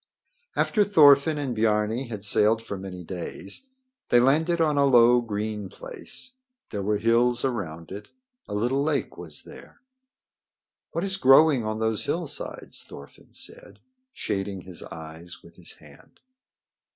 After Thorfinn and Biarni had sailed for many days they landed on a low, green place. There were hills around it. A little lake was there. "What is growing on those hillsides?" Thorfinn said, shading his eyes with his hand.